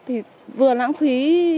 thì vừa lãng phí